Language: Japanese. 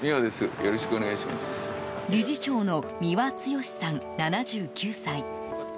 理事長の三輪剛さん、７９歳。